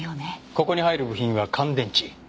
ここに入る部品は乾電池。